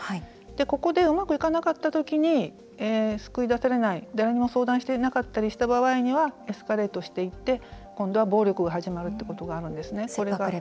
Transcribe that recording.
ここで、うまくいかなかった時に救い出されない、誰にも相談していなかったりした場合にエスカレートしていって今度は、暴力が始まるということがあるんですね。